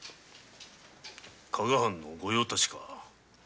加賀藩の御用達か。